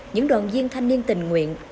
những đoàn viên thanh niên tình nguyện